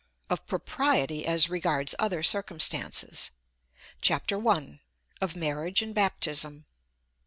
OF PROPRIETY AS REGARDS OTHER CIRCUMSTANCES. CHAPTER I. _Of Marriage and Baptism.